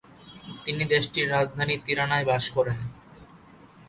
তিনি দেশটির রাজধানী তিরানায় বাস করেন।